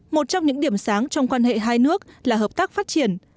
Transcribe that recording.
một trong những điểm sáng trong quan hệ hai nước là hợp tác phát triển